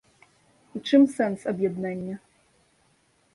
У чым сэнс аб'яднання?